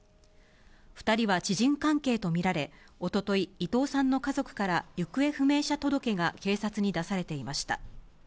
２人は知人関係と見られ、おととい、伊藤さんの家族から行方不明者届が警察に出されていました。